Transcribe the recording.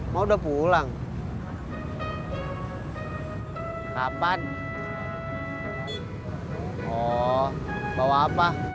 siapa sih kamu